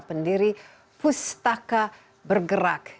pendiri pustaka bergerak